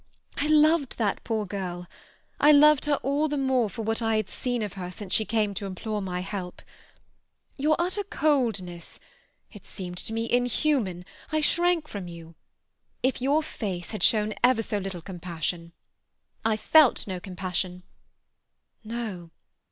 I loved that poor girl; I loved her all the more for what I had seen of her since she came to implore my help. Your utter coldness—it seemed to me inhuman—I shrank from you. If your face had shown ever so little compassion—" "I felt no compassion." "No.